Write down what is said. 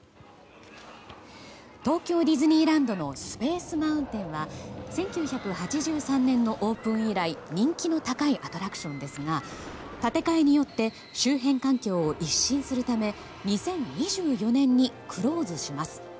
東京ディズニーランドのスペース・マウンテンは１９８３年のオープン以来人気の高いアトラクションですが建て替えによって周辺環境を一新するため２０２４年にクローズします。